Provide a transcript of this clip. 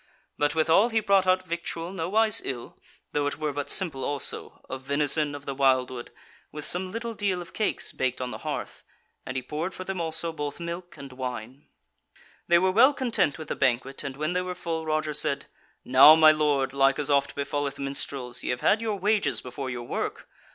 But withal he brought out victual nowise ill, though it were but simple also, of venison of the wildwood, with some little deal of cakes baked on the hearth, and he poured for them also both milk and wine. They were well content with the banquet, and when they were full, Roger said: "Now, my Lord, like as oft befalleth minstrels, ye have had your wages before your work.